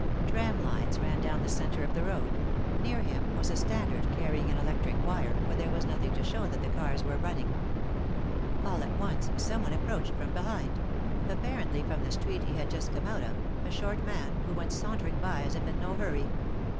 Tram lines ran down the centre of the road ; near him was a standard carrying an electric wire, but there was nothing to show that the cars were running. All at once someone ap proached from behind; apparently from the street he had just come out of— a short man, who went sauntering by as if in no hurry. Mr.